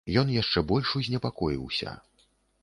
Ён яшчэ больш узнепакоіўся.